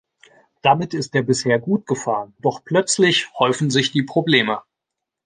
Damit ist er bisher gut gefahren, doch plötzlich häufen sich die Probleme.